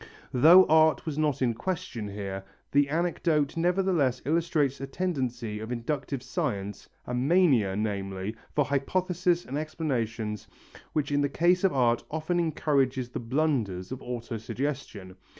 Though art was not in question here, the anecdote nevertheless illustrates a tendency of inductive science, a mania, namely, for hypothesis and explanations which in the case of art often encourages the blunders of auto suggestion.